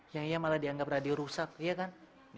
yang ia malah dianggap radio rusak iya kan